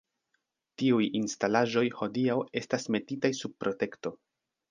Tiuj instalaĵoj hodiaŭ estas metitaj sub protekto.